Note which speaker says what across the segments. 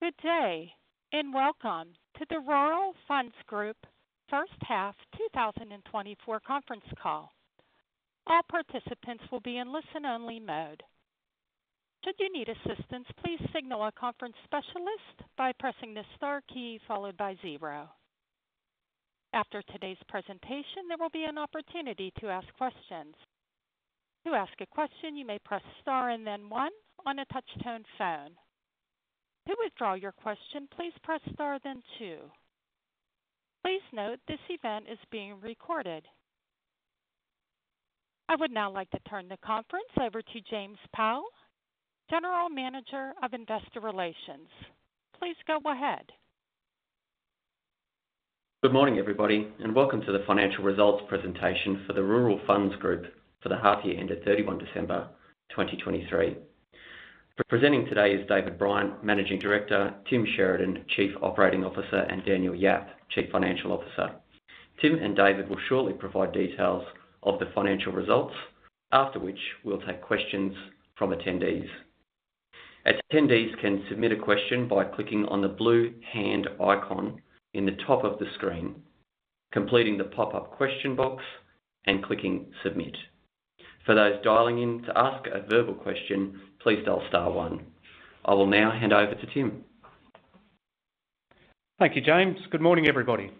Speaker 1: Good day and welcome to the Rural Funds Group First Half 2024 Conference Call. All participants will be in listen-only mode. Should you need assistance, please signal a conference specialist by pressing the star key followed by 0. After today's presentation, there will be an opportunity to ask questions. To ask a question, you may press star and then 1 on a touch-tone phone. To withdraw your question, please press star then 2. Please note this event is being recorded. I would now like to turn the conference over to James Powell, General Manager of Investor Relations. Please go ahead.
Speaker 2: Good morning, everybody, and welcome to the financial results presentation for the Rural Funds Group for the half year ended 31 December 2023. Presenting today is David Bryant, Managing Director, Tim Sheridan, Chief Operating Officer, and Daniel Yap, Chief Financial Officer. Tim and David will shortly provide details of the financial results, after which we'll take questions from attendees. Attendees can submit a question by clicking on the blue hand icon in the top of the screen, completing the pop-up question box, and clicking submit. For those dialing in to ask a verbal question, please dial star 1. I will now hand over to Tim.
Speaker 3: Thank you, James. Good morning, everybody.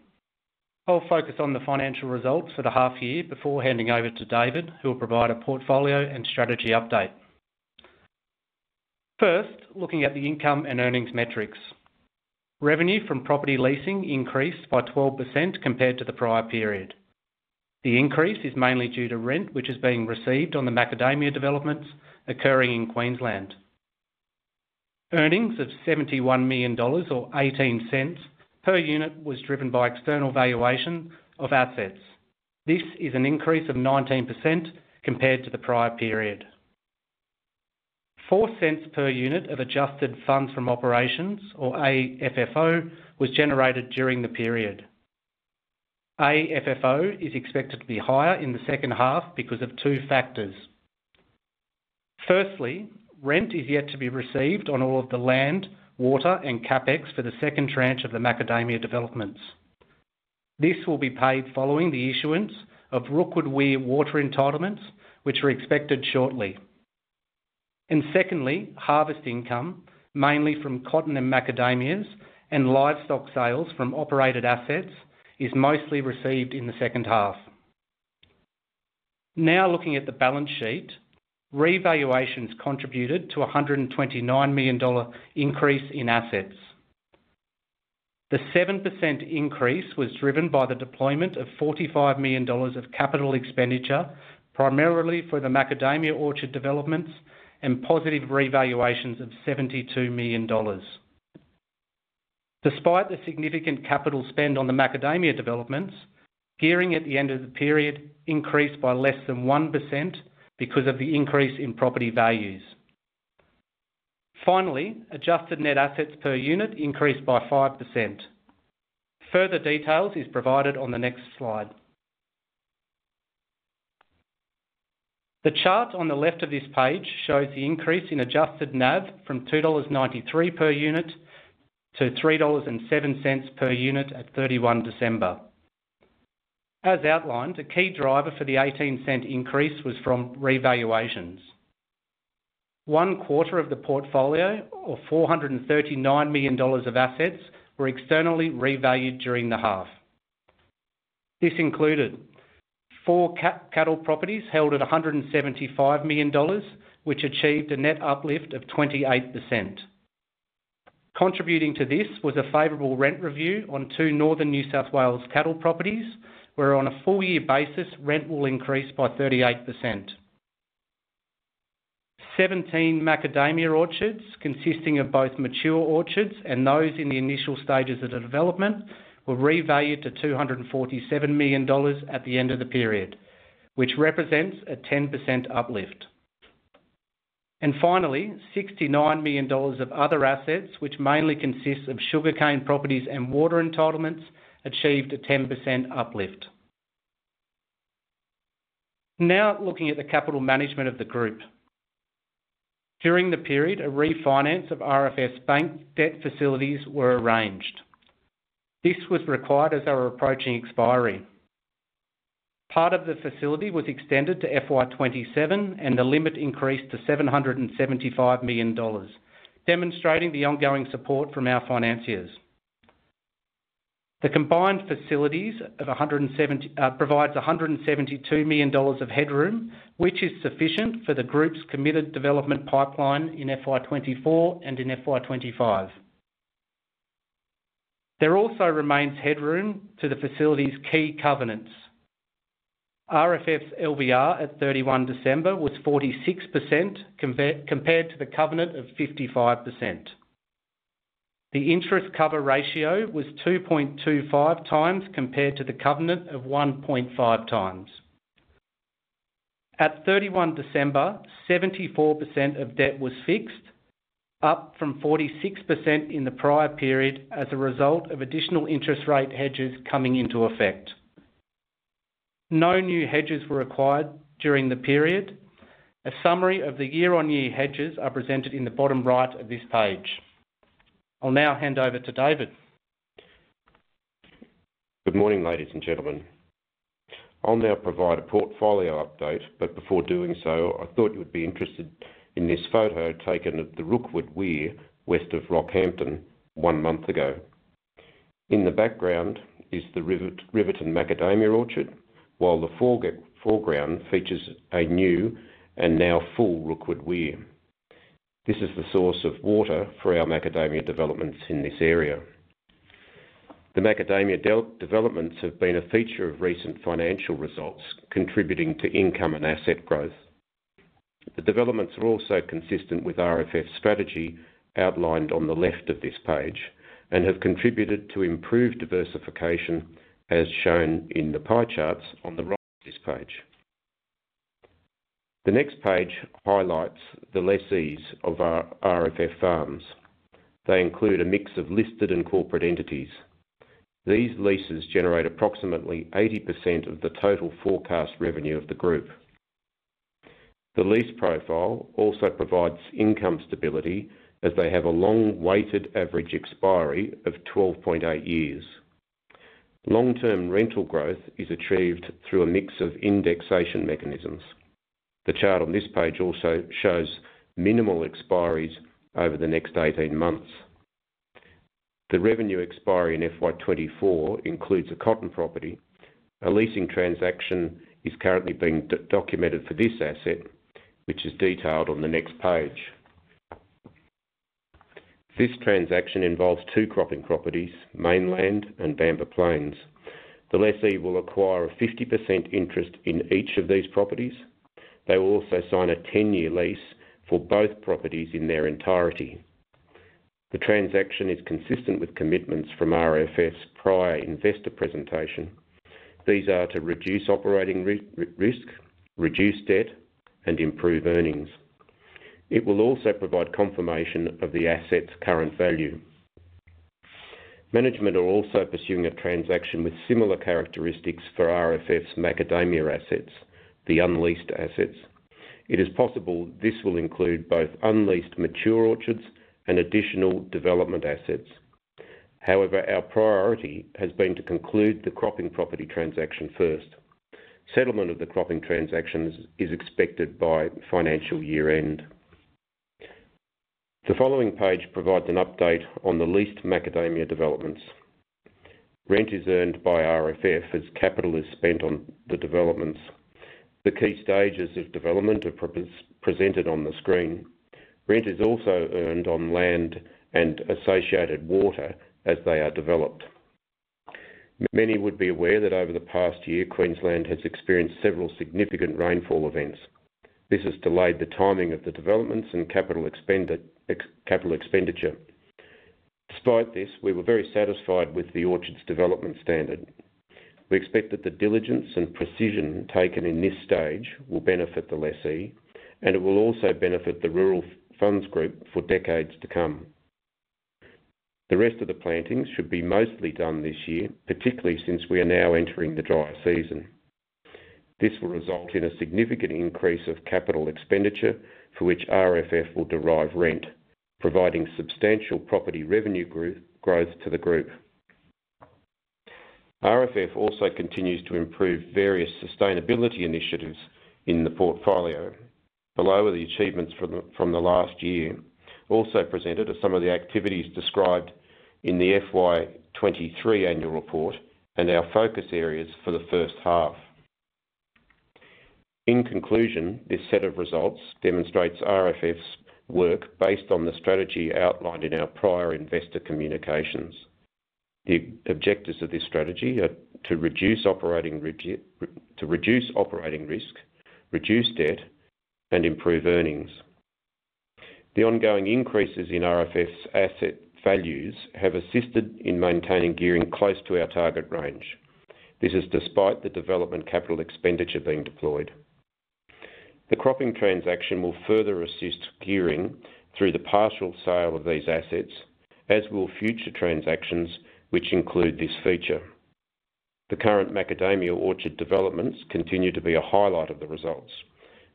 Speaker 3: I'll focus on the financial results for the half year before handing over to David, who will provide a portfolio and strategy update. First, looking at the income and earnings metrics. Revenue from property leasing increased by 12% compared to the prior period. The increase is mainly due to rent, which is being received on the macadamia developments occurring in Queensland. Earnings of 71 million dollars or 0.18 per unit was driven by external valuation of assets. This is an increase of 19% compared to the prior period. 0.04 per unit of adjusted funds from operations, or AFFO, was generated during the period. AFFO is expected to be higher in the second half because of two factors. Firstly, rent is yet to be received on all of the land, water, and CapEx for the second tranche of the macadamia developments. This will be paid following the issuance of Rookwood Weir water entitlements, which are expected shortly. And secondly, harvest income, mainly from cotton and macadamias and livestock sales from operated assets, is mostly received in the second half. Now looking at the balance sheet, revaluations contributed to an 129 million dollar increase in assets. The 7% increase was driven by the deployment of 45 million dollars of capital expenditure, primarily for the macadamia orchard developments, and positive revaluations of 72 million dollars. Despite the significant capital spend on the macadamia developments, gearing at the end of the period increased by less than 1% because of the increase in property values. Finally, adjusted net assets per unit increased by 5%. Further details are provided on the next slide. The chart on the left of this page shows the increase in adjusted NAV from 2.93 dollars per unit to 3.07 dollars per unit at 31 December. As outlined, a key driver for the 0.18 increase was from revaluations. One-quarter of the portfolio, or 439 million dollars of assets, were externally revalued during the half. This included four cattle properties held at 175 million dollars, which achieved a net uplift of 28%. Contributing to this was a favorable rent review on two Northern New South Wales cattle properties, where on a full-year basis, rent will increase by 38%. 17 macadamia orchards, consisting of both mature orchards and those in the initial stages of development, were revalued to 247 million dollars at the end of the period, which represents a 10% uplift. Finally, 69 million dollars of other assets, which mainly consist of sugarcane properties and water entitlements, achieved a 10% uplift. Now looking at the capital management of the group. During the period, a refinance of RFF bank debt facilities were arranged. This was required as our approaching expiry. Part of the facility was extended to FY 2027, and the limit increased to 775 million dollars, demonstrating the ongoing support from our financiers. The combined facilities provide 172 million dollars of headroom, which is sufficient for the group's committed development pipeline in FY 2024 and in FY 2025. There also remains headroom to the facility's key covenants. RFF's LVR at 31 December was 46% compared to the covenant of 55%. The interest cover ratio was 2.25x compared to the covenant of 1.5x. At 31 December, 74% of debt was fixed, up from 46% in the prior period as a result of additional interest rate hedges coming into effect. No new hedges were required during the period. A summary of the year-on-year hedges is presented in the bottom right of this page. I'll now hand over to David.
Speaker 4: Good morning, ladies and gentlemen. I'll now provide a portfolio update, but before doing so, I thought you would be interested in this photo taken at the Rookwood Weir west of Rockhampton one month ago. In the background is the Riverton macadamia orchard, while the foreground features a new and now full Rookwood Weir. This is the source of water for our macadamia developments in this area. The macadamia developments have been a feature of recent financial results, contributing to income and asset growth. The developments are also consistent with RFF's strategy outlined on the left of this page and have contributed to improved diversification, as shown in the pie charts on the right of this page. The next page highlights the lessees of our RFF farms. They include a mix of listed and corporate entities. These leases generate approximately 80% of the total forecast revenue of the group. The lease profile also provides income stability as they have a long-weighted average expiry of 12.8 years. Long-term rental growth is achieved through a mix of indexation mechanisms. The chart on this page also shows minimal expiries over the next 18 months. The revenue expiry in FY 2024 includes a cotton property. A leasing transaction is currently being documented for this asset, which is detailed on the next page. This transaction involves two cropping properties, Mainland and Bamboo Plains. The lessee will acquire a 50% interest in each of these properties. They will also sign a 10-year lease for both properties in their entirety. The transaction is consistent with commitments from RFF's prior investor presentation. These are to reduce operating risk, reduce debt, and improve earnings. It will also provide confirmation of the asset's current value. Management are also pursuing a transaction with similar characteristics for RFF's macadamia assets, the unleased assets. It is possible this will include both unleased mature orchards and additional development assets. However, our priority has been to conclude the cropping property transaction first. Settlement of the cropping transactions is expected by financial year-end. The following page provides an update on the leased macadamia developments. Rent is earned by RFF as capital is spent on the developments. The key stages of development are presented on the screen. Rent is also earned on land and associated water as they are developed. Many would be aware that over the past year, Queensland has experienced several significant rainfall events. This has delayed the timing of the developments and capital expenditure. Despite this, we were very satisfied with the orchard's development standard. We expect that the diligence and precision taken in this stage will benefit the lessee, and it will also benefit the Rural Funds Group for decades to come. The rest of the plantings should be mostly done this year, particularly since we are now entering the dry season. This will result in a significant increase of capital expenditure for which RFF will derive rent, providing substantial property revenue growth to the group. RFF also continues to improve various sustainability initiatives in the portfolio. Below are the achievements from the last year, also presented as some of the activities described in the FY 2023 annual report and our focus areas for the first half. In conclusion, this set of results demonstrates RFF's work based on the strategy outlined in our prior investor communications. The objectives of this strategy are to reduce operating risk, reduce debt, and improve earnings. The ongoing increases in RFF's asset values have assisted in maintaining gearing close to our target range. This is despite the development capital expenditure being deployed. The cropping transaction will further assist gearing through the partial sale of these assets, as will future transactions which include this feature. The current macadamia orchard developments continue to be a highlight of the results.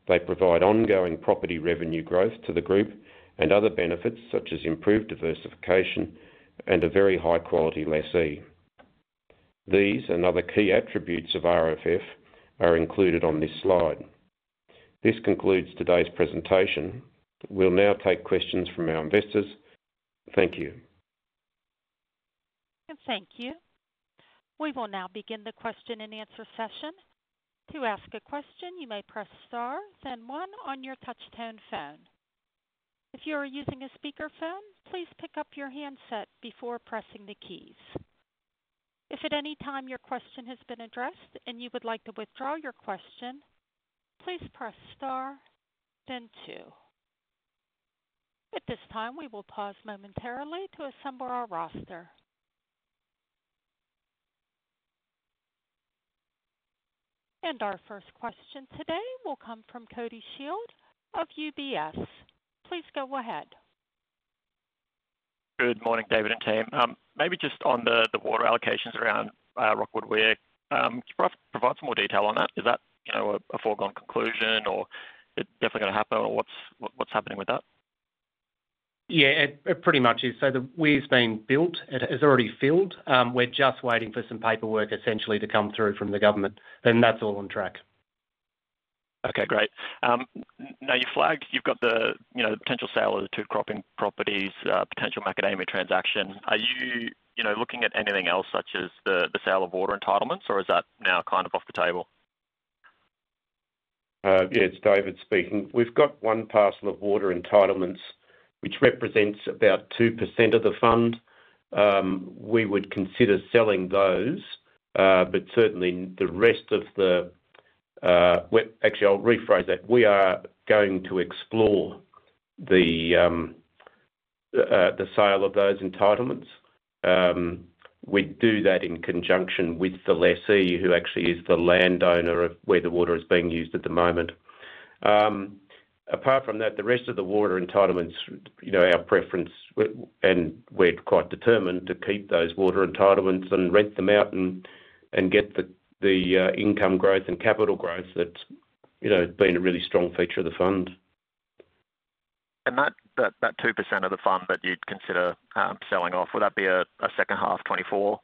Speaker 4: They provide ongoing property revenue growth to the group and other benefits such as improved diversification and a very high-quality lessee. These and other key attributes of RFF are included on this slide. This concludes today's presentation. We'll now take questions from our investors. Thank you.
Speaker 1: Thank you. We will now begin the question-and-answer session. To ask a question, you may press star, then 1 on your touch-tone phone. If you are using a speakerphone, please pick up your handset before pressing the keys. If at any time your question has been addressed and you would like to withdraw your question, please press star, then 2. At this time, we will pause momentarily to assemble our roster. Our first question today will come from Cody Shield of UBS. Please go ahead.
Speaker 5: Good morning, David and team. Maybe just on the water allocations around Rookwood Weir. Could you provide some more detail on that? Is that a foregone conclusion, or is it definitely going to happen, or what's happening with that?
Speaker 3: Yeah, it pretty much is. So the Weir's been built. It has already filled. We're just waiting for some paperwork, essentially, to come through from the government, and that's all on track.
Speaker 5: Okay. Great. Now, you've flagged you've got the potential sale of the two cropping properties, potential macadamia transaction. Are you looking at anything else such as the sale of water entitlements, or is that now kind of off the table?
Speaker 4: Yeah, it's David speaking. We've got one parcel of water entitlements which represents about 2% of the fund. We would consider selling those, but certainly, the rest of the actually, I'll rephrase that. We are going to explore the sale of those entitlements. We do that in conjunction with the lessee, who actually is the landowner of where the water is being used at the moment. Apart from that, the rest of the water entitlements, our preference and we're quite determined to keep those water entitlements and rent them out and get the income growth and capital growth that's been a really strong feature of the fund.
Speaker 5: And that 2% of the fund that you'd consider selling off, would that be a second half 2024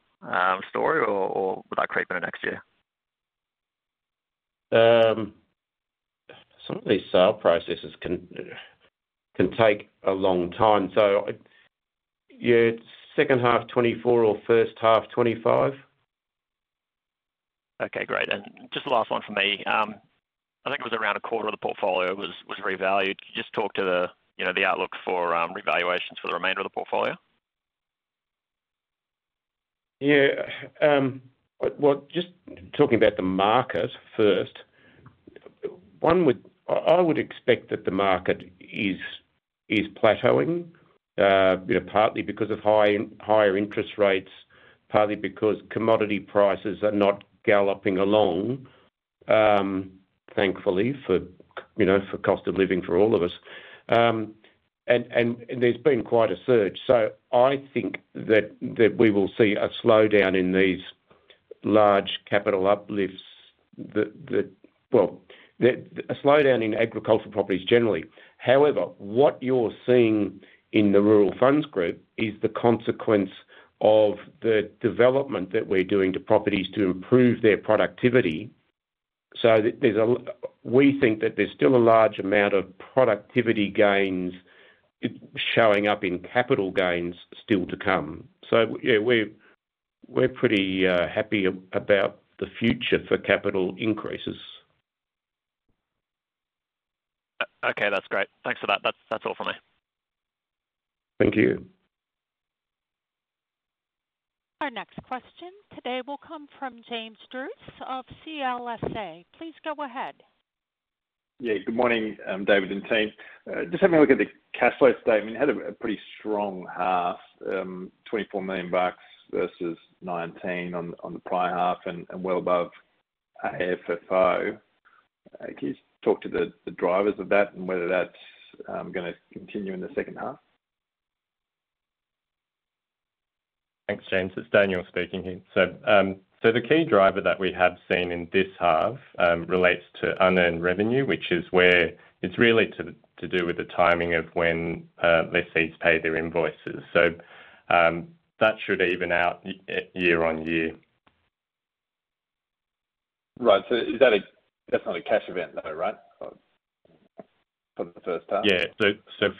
Speaker 5: story, or would that creep into next year?
Speaker 4: Some of these sale processes can take a long time. Yeah, second half 2024 or first half 2025.
Speaker 5: Okay. Great. Just the last one for me. I think it was around a quarter of the portfolio was revalued. Could you just talk to the outlook for revaluations for the remainder of the portfolio?
Speaker 3: Yeah. Well, just talking about the market first, I would expect that the market is plateauing, partly because of higher interest rates, partly because commodity prices are not galloping along, thankfully, for cost of living for all of us. And there's been quite a surge. So I think that we will see a slowdown in these large capital uplifts, a slowdown in agricultural properties generally. However, what you're seeing in the Rural Funds Group is the consequence of the development that we're doing to properties to improve their productivity. So we think that there's still a large amount of productivity gains showing up in capital gains still to come. So yeah, we're pretty happy about the future for capital increases.
Speaker 5: Okay. That's great. Thanks for that. That's all from me.
Speaker 3: Thank you.
Speaker 1: Our next question today will come from James Druce of CLSA. Please go ahead.
Speaker 6: Yeah. Good morning, David and team. Just having a look at the cash flow statement, it had a pretty strong half, 24 million bucks versus 19 million on the prior half and well above AFFO. Could you just talk to the drivers of that and whether that's going to continue in the second half?
Speaker 7: Thanks, James. It's Daniel speaking here. So the key driver that we have seen in this half relates to unearned revenue, which is where it's really to do with the timing of when lessees pay their invoices. So that should even out year-on-year.
Speaker 6: Right. So that's not a cash event, though, right, for the first half?
Speaker 7: Yeah. So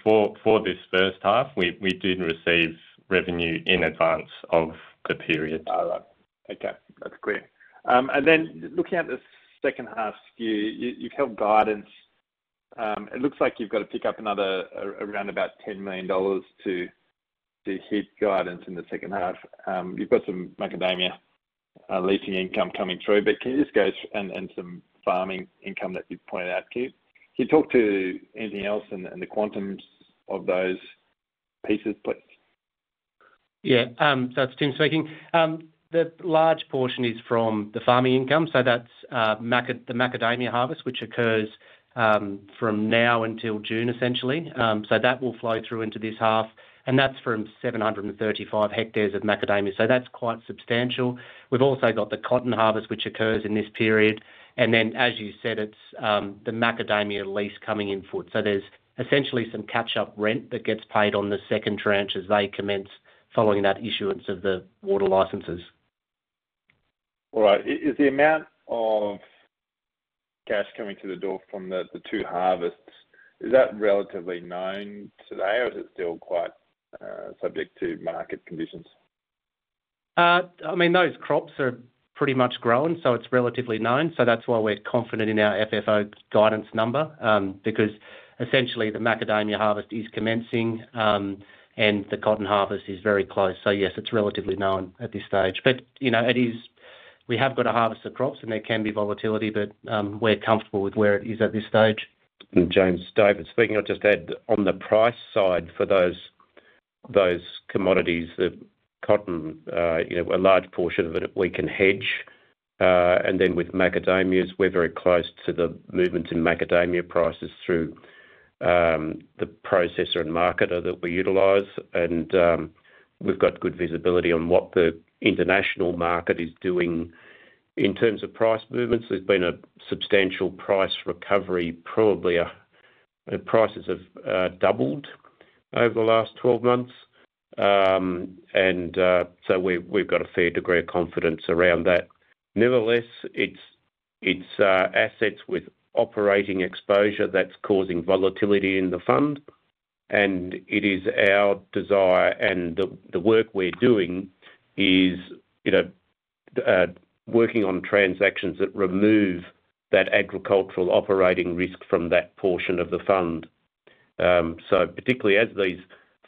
Speaker 7: for this first half, we didn't receive revenue in advance of the period.
Speaker 6: All right. Okay. That's clear. Then looking at the second half skew, you've held guidance. It looks like you've got to pick up around about 10 million dollars to hit guidance in the second half. You've got some macadamia leasing income coming through, but can you just go and some farming income that you've pointed out, Keith? Could you talk to anything else in the quantums of those pieces, please?
Speaker 3: Yeah. So it's Tim speaking. The large portion is from the farming income. So that's the macadamia harvest, which occurs from now until June, essentially. So that will flow through into this half. And that's from 735 hectares of macadamia. So that's quite substantial. We've also got the cotton harvest, which occurs in this period. And then, as you said, it's the macadamia lease coming into force. So there's essentially some catch-up rent that gets paid on the second tranche as they commence following that issuance of the water licenses.
Speaker 6: All right. Is the amount of cash coming to the door from the two harvests, is that relatively known today, or is it still quite subject to market conditions?
Speaker 3: I mean, those crops are pretty much growing, so it's relatively known. So that's why we're confident in our FFO guidance number because, essentially, the macadamia harvest is commencing and the cotton harvest is very close. So yes, it's relatively known at this stage. But we have got to harvest the crops, and there can be volatility, but we're comfortable with where it is at this stage.
Speaker 4: James, David speaking. I'll just add, on the price side for those commodities, the cotton, a large portion of it we can hedge. Then with macadamias, we're very close to the movements in macadamia prices through the processor and marketer that we utilize. We've got good visibility on what the international market is doing in terms of price movements. There's been a substantial price recovery. Probably, prices have doubled over the last 12 months. So we've got a fair degree of confidence around that. Nevertheless, it's assets with operating exposure that's causing volatility in the fund. It is our desire, and the work we're doing is working on transactions that remove that agricultural operating risk from that portion of the fund. Particularly as these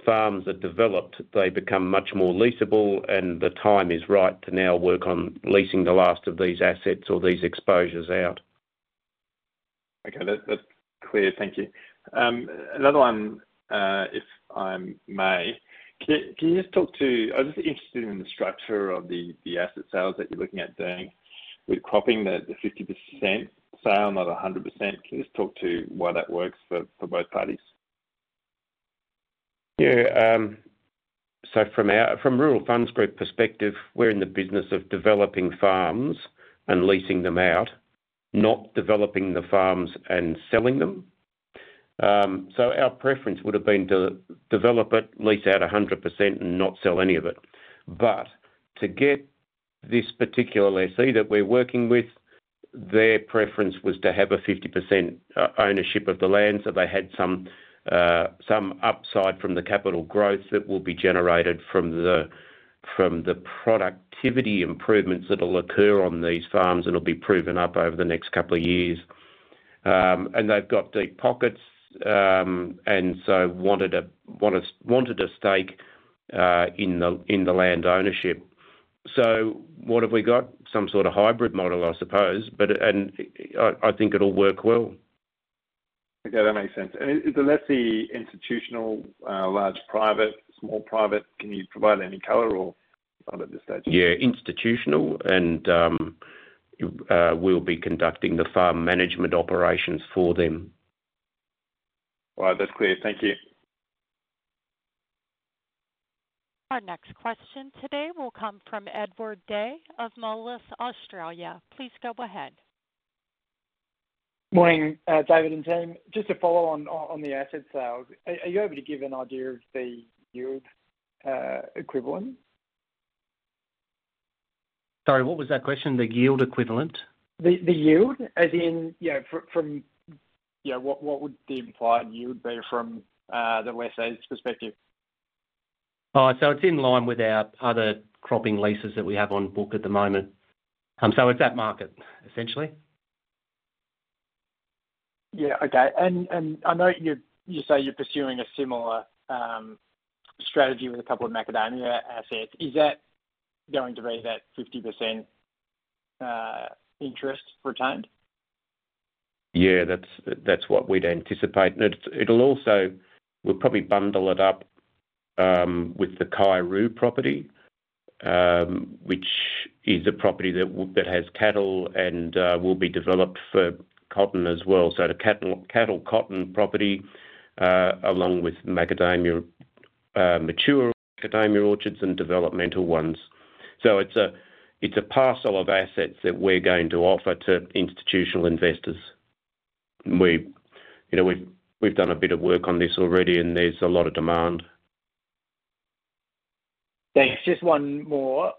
Speaker 4: farms are developed, they become much more leasable, and the time is right to now work on leasing the last of these assets or these exposures out.
Speaker 6: Okay. That's clear. Thank you. Another one, if I may. Can you just talk to, I'm just interested in the structure of the asset sales that you're looking at doing with cropping, the 50% sale, not 100%. Can you just talk to why that works for both parties?
Speaker 4: Yeah. So from Rural Funds Group's perspective, we're in the business of developing farms and leasing them out, not developing the farms and selling them. So our preference would have been to develop it, lease out 100%, and not sell any of it. But to get this particular lessee that we're working with, their preference was to have a 50% ownership of the land so they had some upside from the capital growth that will be generated from the productivity improvements that'll occur on these farms, and it'll be proven up over the next couple of years. And they've got deep pockets and so wanted a stake in the land ownership. So what have we got? Some sort of hybrid model, I suppose, and I think it'll work well.
Speaker 6: Okay. That makes sense. And is the lessee institutional, large private, small private? Can you provide any color or fund at this stage?
Speaker 4: Yeah, institutional, and we'll be conducting the farm management operations for them.
Speaker 6: All right. That's clear. Thank you.
Speaker 1: Our next question today will come from Edward Day of Moelis Australia. Please go ahead.
Speaker 8: Morning, David and team. Just a follow-on on the asset sales. Are you able to give an idea of the yield equivalent?
Speaker 3: Sorry. What was that question? The yield equivalent?
Speaker 8: The yield, as in from what would the implied yield be from the lessee's perspective?
Speaker 3: Oh, so it's in line with our other cropping leases that we have on book at the moment. So it's that market, essentially.
Speaker 8: Yeah. Okay. I know you say you're pursuing a similar strategy with a couple of macadamia assets. Is that going to be that 50% interest retained?
Speaker 4: Yeah, that's what we'd anticipate. And we'll probably bundle it up with the Kaiuroo property, which is a property that has cattle and will be developed for cotton as well. So it's a cattle-cotton property along with mature macadamia orchards and developmental ones. So it's a parcel of assets that we're going to offer to institutional investors. We've done a bit of work on this already, and there's a lot of demand.
Speaker 8: Thanks. Just one more.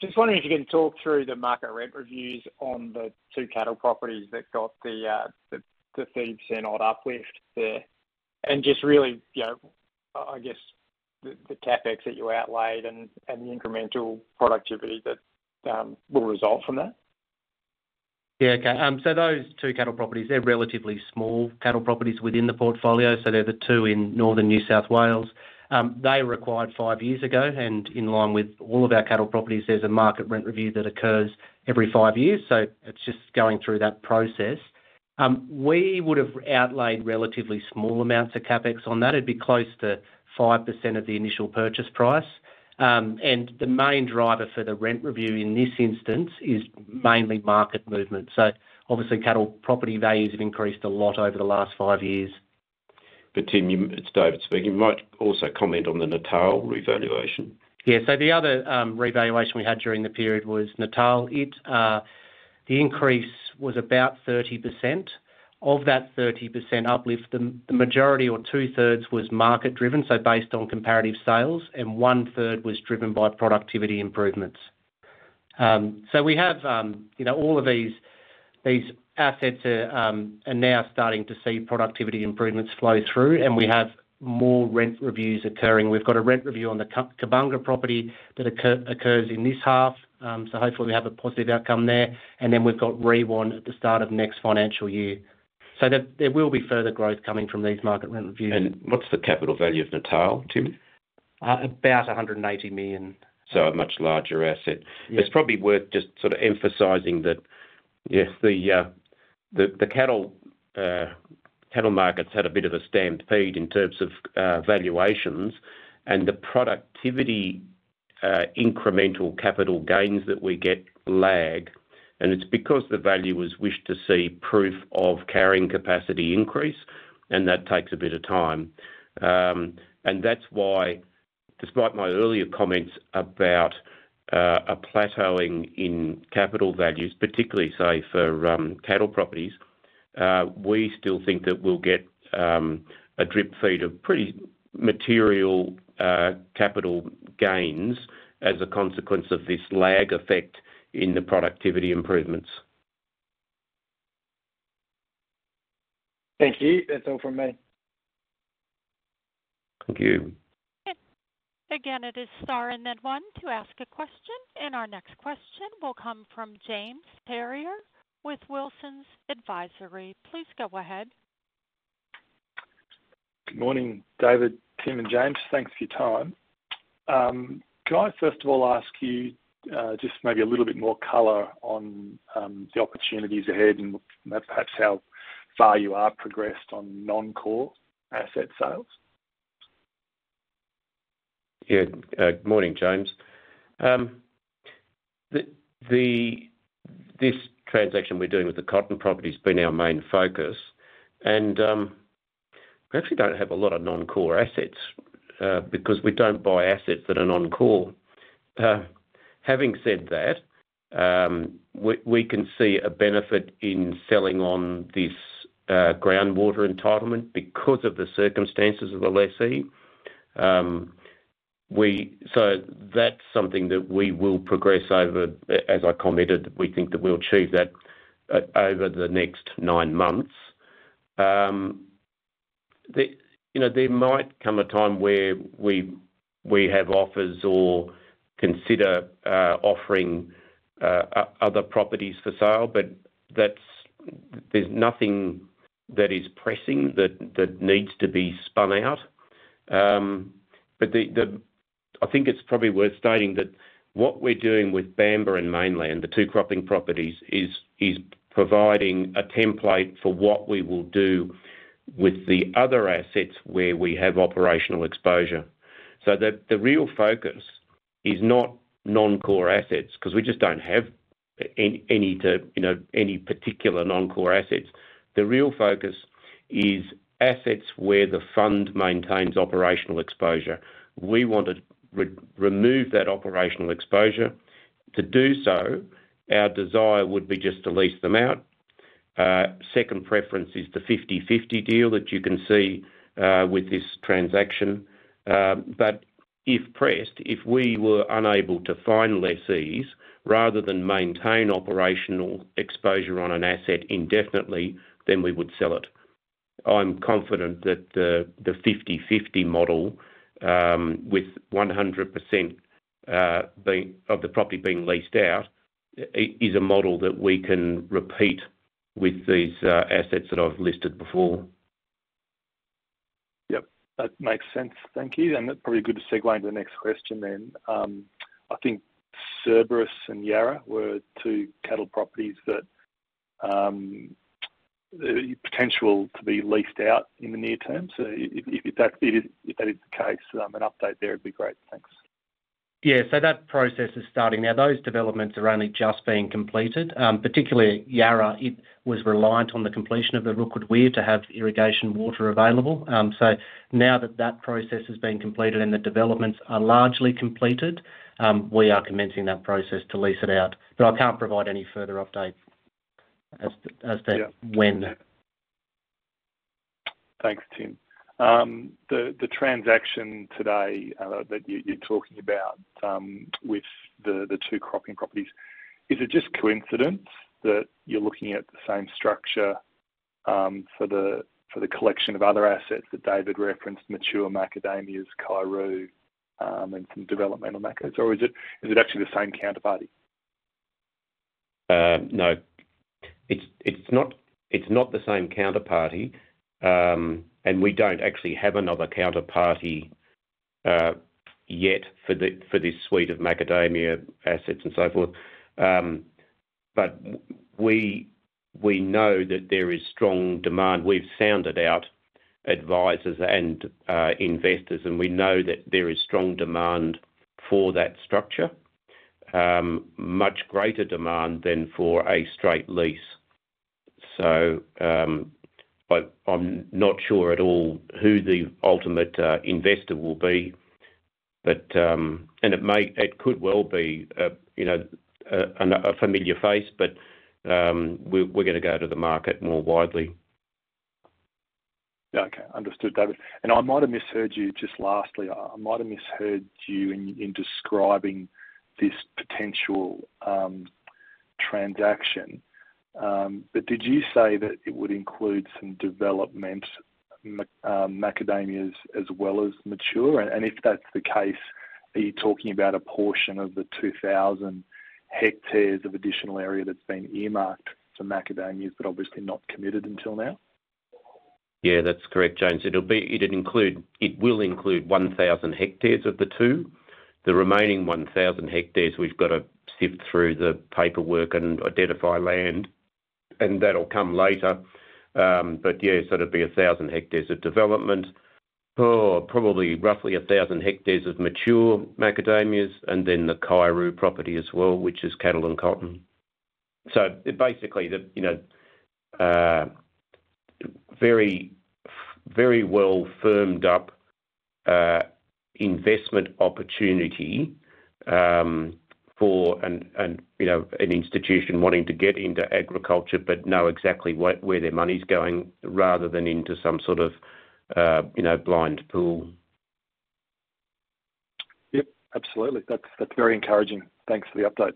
Speaker 8: Just wondering if you can talk through the market rent reviews on the two cattle properties that got the 30%-odd uplift there and just really, I guess, the CapEx that you outlaid and the incremental productivity that will result from that.
Speaker 3: Yeah. Okay. So those two cattle properties, they're relatively small cattle properties within the portfolio. So they're the two in Northern New South Wales. They were acquired five years ago. And in line with all of our cattle properties, there's a market rent review that occurs every five years. So it's just going through that process. We would have outlaid relatively small amounts of CapEx on that. It'd be close to 5% of the initial purchase price. And the main driver for the rent review in this instance is mainly market movement. So obviously, cattle property values have increased a lot over the last five years.
Speaker 4: But Tim, it's David speaking. You might also comment on the Natal revaluation.
Speaker 3: Yeah. So the other revaluation we had during the period was Natal Aggregation. The increase was about 30%. Of that 30% uplift, the majority or 2/3 was market-driven, so based on comparative sales, and 1/3 was driven by productivity improvements. So we have all of these assets are now starting to see productivity improvements flow through, and we have more rent reviews occurring. We've got a rent review on the Cobungra property that occurs in this half. So hopefully, we have a positive outcome there. And then we've got Rewan at the start of next financial year. So there will be further growth coming from these market rent reviews.
Speaker 4: What's the capital value of Natal, Tim?
Speaker 3: About 180 million.
Speaker 4: So a much larger asset. It's probably worth just sort of emphasizing that, yeah, the cattle markets had a bit of a stampede in terms of valuations, and the productivity incremental capital gains that we get lag. And it's because the valuers wished to see proof of carrying capacity increase, and that takes a bit of time. And that's why, despite my earlier comments about a plateauing in capital values, particularly, say, for cattle properties, we still think that we'll get a drip feed of pretty material capital gains as a consequence of this lag effect in the productivity improvements.
Speaker 8: Thank you. That's all from me.
Speaker 4: Thank you.
Speaker 1: Again, it is Star and then One to ask a question. And our next question will come from James Ferrier with Wilsons Advisory. Please go ahead.
Speaker 9: Good morning, David, Tim, and James. Thanks for your time. Can I, first of all, ask you just maybe a little bit more color on the opportunities ahead and perhaps how far you are progressed on non-core asset sales?
Speaker 4: Yeah. Good morning, James. This transaction we're doing with the cotton property has been our main focus. We actually don't have a lot of non-core assets because we don't buy assets that are non-core. Having said that, we can see a benefit in selling on this groundwater entitlement because of the circumstances of the lessee. So that's something that we will progress over, as I committed, we think that we'll achieve that over the next nine months. There might come a time where we have offers or consider offering other properties for sale, but there's nothing that is pressing that needs to be spun out. I think it's probably worth stating that what we're doing with Bamboo and Mainland, the two cropping properties, is providing a template for what we will do with the other assets where we have operational exposure. So the real focus is not non-core assets because we just don't have any particular non-core assets. The real focus is assets where the fund maintains operational exposure. We want to remove that operational exposure. To do so, our desire would be just to lease them out. Second preference is the 50/50 deal that you can see with this transaction. But if pressed, if we were unable to find lessees rather than maintain operational exposure on an asset indefinitely, then we would sell it. I'm confident that the 50/50 model with 100% of the property being leased out is a model that we can repeat with these assets that I've listed before.
Speaker 9: Yep. That makes sense. Thank you. And probably good to segue into the next question then. I think Cerberus and Yarra were two cattle properties that are potential to be leased out in the near term. So if that is the case, an update there would be great. Thanks.
Speaker 3: Yeah. That process is starting. Now, those developments are only just being completed. Particularly, Yarra, it was reliant on the completion of the Rookwood Weir to have irrigation water available. Now that that process has been completed and the developments are largely completed, we are commencing that process to lease it out. But I can't provide any further update as to when.
Speaker 9: Thanks, Tim. The transaction today that you're talking about with the two cropping properties, is it just coincidence that you're looking at the same structure for the collection of other assets that David referenced, mature macadamias, Kaiuroo, and some developmental macs, or is it actually the same counterparty?
Speaker 4: No. It's not the same counterparty, and we don't actually have another counterparty yet for this suite of macadamia assets and so forth. But we know that there is strong demand. We've sounded out advisors and investors, and we know that there is strong demand for that structure, much greater demand than for a straight lease. So I'm not sure at all who the ultimate investor will be, and it could well be a familiar face, but we're going to go to the market more widely.
Speaker 9: Okay. Understood, David. And I might have misheard you just lastly. I might have misheard you in describing this potential transaction. But did you say that it would include some development macadamias as well as mature? And if that's the case, are you talking about a portion of the 2,000 hectares of additional area that's been earmarked for macadamias but obviously not committed until now?
Speaker 4: Yeah, that's correct, James. It will include 1,000 hectares of the two. The remaining 1,000 hectares, we've got to sift through the paperwork and identify land, and that'll come later. But yeah, so it'd be 1,000 hectares of development, probably roughly 1,000 hectares of mature macadamias, and then the Kaiuroo property as well, which is cattle and cotton. So basically, very well firmed up investment opportunity for an institution wanting to get into agriculture but know exactly where their money's going rather than into some sort of blind pool.
Speaker 9: Yep. Absolutely. That's very encouraging. Thanks for the update.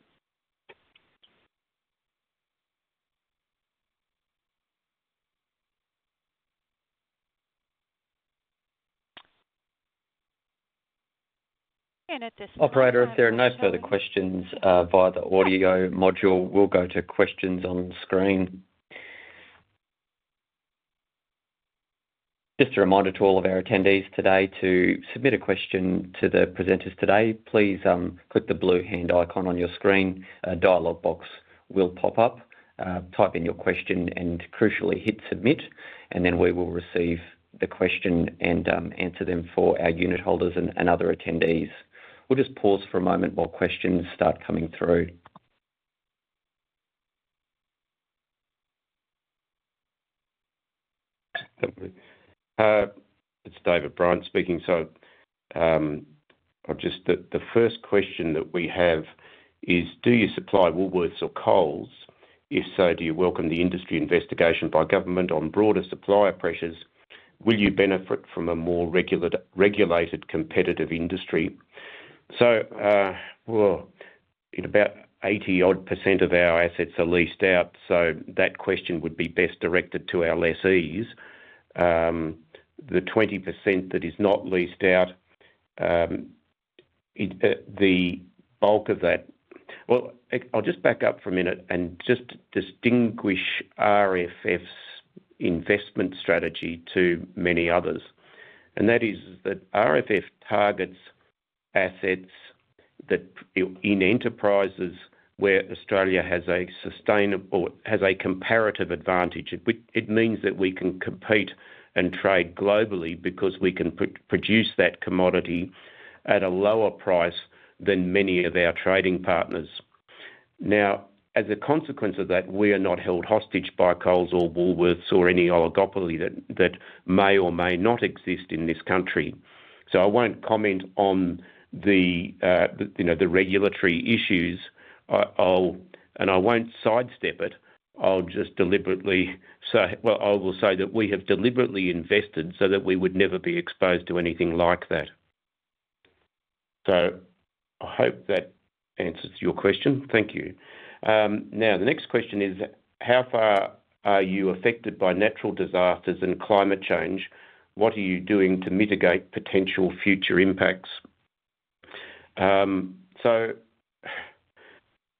Speaker 1: At this point--
Speaker 3: Operator, if there are no further questions via the audio module, we'll go to questions on screen. Just a reminder to all of our attendees today, to submit a question to the presenters today, please click the blue hand icon on your screen. A dialog box will pop up. Type in your question and, crucially, hit submit. Then we will receive the question and answer them for our unit holders and other attendees. We'll just pause for a moment while questions start coming through.
Speaker 4: It's David Bryant speaking. So the first question that we have is, do you supply Woolworths or Coles? If so, do you welcome the industry investigation by government on broader supplier pressures? Will you benefit from a more regulated competitive industry? So well, about 80%-odd of our assets are leased out, so that question would be best directed to our lessees. The 20% that is not leased out, the bulk of that well, I'll just back up for a minute and just distinguish RFF's investment strategy to many others. And that is that RFF targets assets in enterprises where Australia has a sustainable or has a comparative advantage. It means that we can compete and trade globally because we can produce that commodity at a lower price than many of our trading partners. Now, as a consequence of that, we are not held hostage by Coles or Woolworths or any oligopoly that may or may not exist in this country. So I won't comment on the regulatory issues, and I won't sidestep it. I'll just deliberately, well, I will say that we have deliberately invested so that we would never be exposed to anything like that. So I hope that answers your question. Thank you. Now, the next question is, how far are you affected by natural disasters and climate change? What are you doing to mitigate potential future impacts? So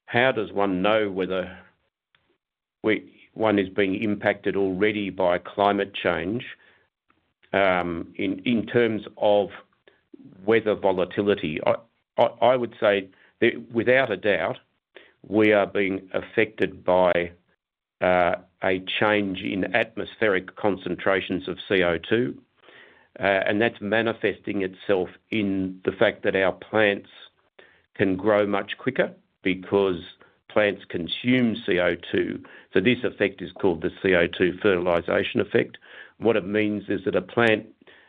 Speaker 4: how does one know whether one is being impacted already by climate change in terms of weather volatility? I would say, without a doubt, we are being affected by a change in atmospheric concentrations of CO2. And that's manifesting itself in the fact that our plants can grow much quicker because plants consume CO2. So this effect is called the CO2 fertilization effect. What it means is that a plant,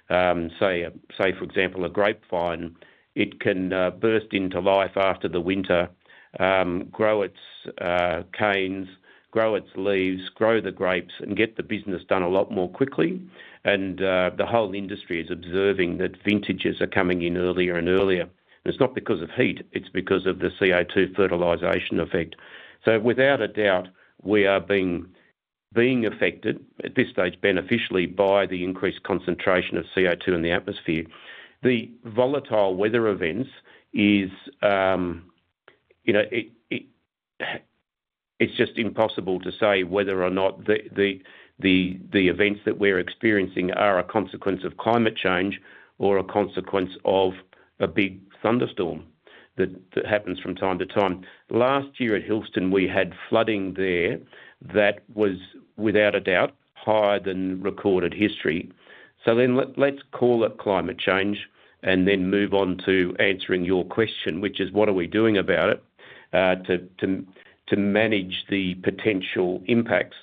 Speaker 4: say, for example, a grapevine, it can burst into life after the winter, grow its canes, grow its leaves, grow the grapes, and get the business done a lot more quickly. And the whole industry is observing that vintages are coming in earlier and earlier. And it's not because of heat. It's because of the CO2 fertilization effect. So without a doubt, we are being affected, at this stage, beneficially by the increased concentration of CO2 in the atmosphere. The volatile weather events. It's just impossible to say whether or not the events that we're experiencing are a consequence of climate change or a consequence of a big thunderstorm that happens from time to time. Last year at Hillston, we had flooding there that was, without a doubt, higher than recorded history. So then let's call it climate change and then move on to answering your question, which is, what are we doing about it to manage the potential impacts?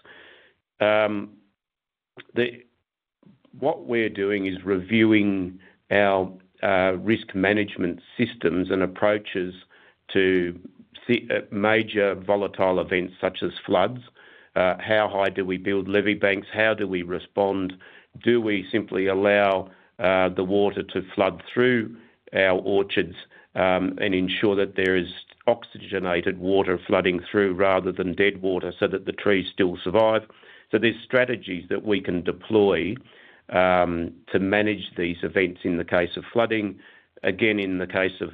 Speaker 4: What we're doing is reviewing our risk management systems and approaches to major volatile events such as floods. How high do we build levee banks? How do we respond? Do we simply allow the water to flood through our orchards and ensure that there is oxygenated water flooding through rather than dead water so that the trees still survive? So there's strategies that we can deploy to manage these events in the case of flooding. Again, in the case of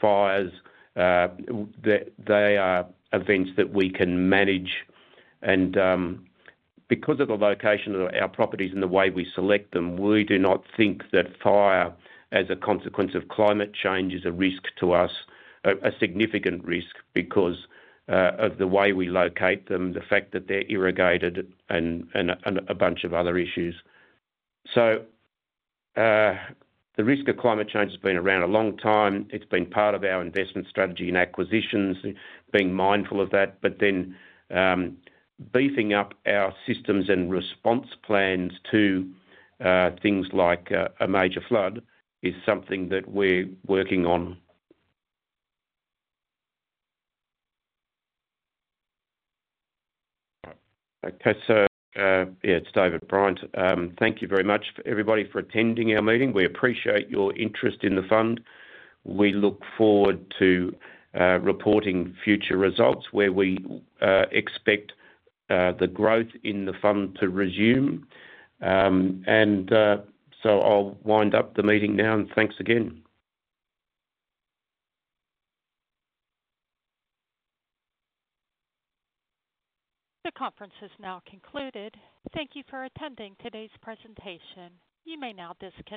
Speaker 4: fires, they are events that we can manage. And because of the location of our properties and the way we select them, we do not think that fire, as a consequence of climate change, is a risk to us, a significant risk because of the way we locate them, the fact that they're irrigated, and a bunch of other issues. So the risk of climate change has been around a long time. It's been part of our investment strategy in acquisitions, being mindful of that. But then beefing up our systems and response plans to things like a major flood is something that we're working on. Okay. So yeah, it's David Bryant. Thank you very much, everybody, for attending our meeting. We appreciate your interest in the fund. We look forward to reporting future results where we expect the growth in the fund to resume. And so I'll wind up the meeting now, and thanks again.
Speaker 1: The conference has now concluded. Thank you for attending today's presentation. You may now disconnect.